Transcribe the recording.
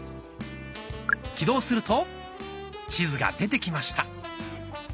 起動すると地図が出てきました。